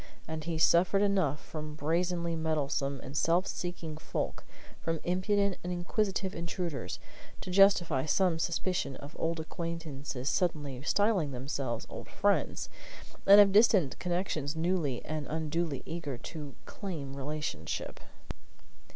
And he suffered enough from brazenly meddlesome and self seeking folk, from impudent and inquisitive intruders, to justify some suspicion of old acquaintances suddenly styling themselves old friends, and of distant connections newly and unduly eager to claim relationship.